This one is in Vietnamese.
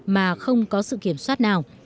mà không có sự kiểm soát nào